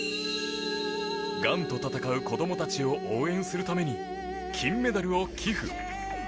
がんと闘う子供たちを応援するために金メダルを寄付。